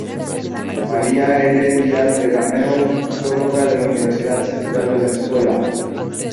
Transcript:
María L. Díaz de Gamero, geóloga de la Universidad Central de Venezuela.